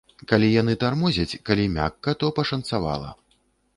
Калі яны тармозяць, калі мякка, то пашанцавала.